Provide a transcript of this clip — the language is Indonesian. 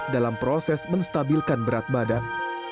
dalam proses menstabilkan berat badan